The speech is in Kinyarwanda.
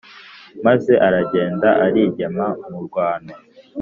maze aragenda arigema mu rwano,